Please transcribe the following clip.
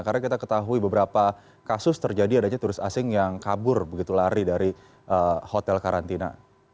karena kita ketahui beberapa kasus terjadi adanya turis asing yang kabur begitu lari dari hotel karantina